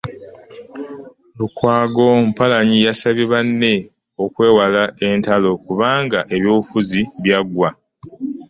Lukwago Mpalanyi yasabye banne okwewala entalo kubanga eby'obufuzi byaggwa